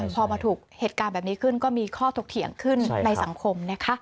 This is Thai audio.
พอมาถูกเหตุการณ์แบบนี้ขึ้นก็มีข้อถกเถียงขึ้นในสังคมนะคะ